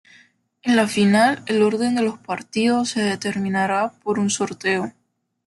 En la final el orden de los partidos se determinará por un sorteo.